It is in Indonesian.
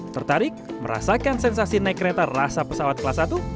tertarik merasakan sensasi naik kereta rasa pesawat kelas satu